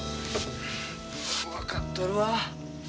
分かっとるわ。